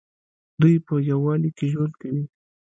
دوی په یووالي کې ژوند کوي.